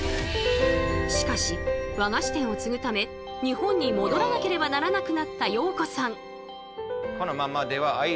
しかし和菓子店を継ぐため日本に戻らなければならなくなった洋子さん。